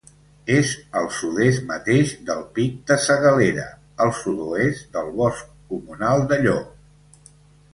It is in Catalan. És al sud-est mateix del Pic de Segalera, al sud-oest del Bosc Comunal de Llo.